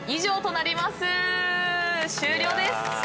終了です。